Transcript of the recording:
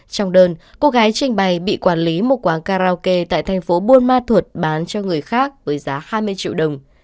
trong đơn cô gái trình bày bị quản lý một quán karaoke tại thành phố buôn ma thuột bán cho người khác với giá hai mươi triệu đồng